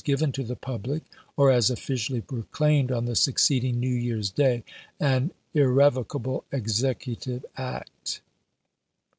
' given to the public, or as officially proclaimed on the succeeding New Year's Day, an irrevocable Executive act.